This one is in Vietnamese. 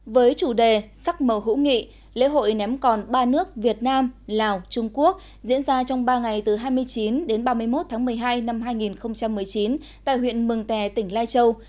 với chủ đề sắc màu hữu nghị lễ hội ném còn ba nước việt nam lào trung quốc diễn ra trong ba ngày từ hai mươi chín đến ba mươi một tháng một mươi hai năm hai nghìn một mươi chín tại huyện mường tè tỉnh lai châu